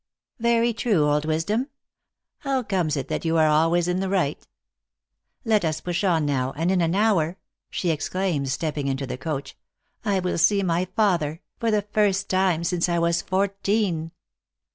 " Very true, old Wisdom. How comes it that you are always in the right? Let us push on now, and in 16 THE ACTRESS IN HIGH LIFE. an hour," she exclaims, stepping into the coach, " I will see my father, for the first time since I was four teen."